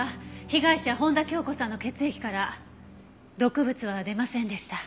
被害者本多鏡子さんの血液から毒物は出ませんでした。